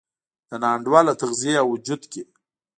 د نا انډوله تغذیې او وجود کې